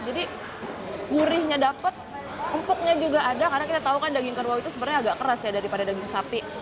jadi gurihnya dapet empuknya juga ada karena kita tau kan daging kerbau itu sebenernya agak keras ya daripada daging sapi